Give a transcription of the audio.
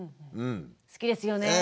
好きですよね。